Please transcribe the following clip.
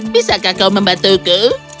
bisakah kau membantuku